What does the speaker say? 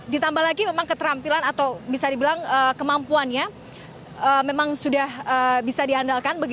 ditambah lagi memang keterampilan atau bisa dibilang kemampuannya memang sudah bisa diandalkan